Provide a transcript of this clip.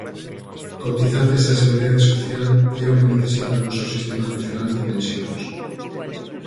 Cotizantes á Seguridade Social é o que necesita o noso sistema nacional de pensións.